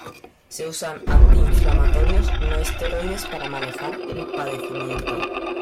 Se usan antiinflamatorios no esteroides para manejar el padecimiento.